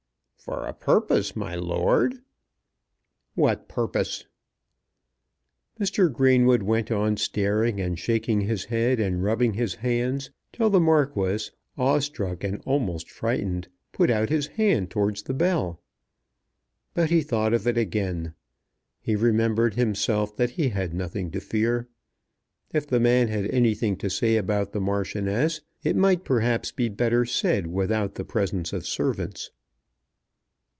"For a purpose, my lord." "What purpose?" Mr. Greenwood went on staring and shaking his head and rubbing his hands, till the Marquis, awestruck and almost frightened, put out his hand towards the bell. But he thought of it again. He remembered himself that he had nothing to fear. If the man had anything to say about the Marchioness it might perhaps be better said without the presence of servants.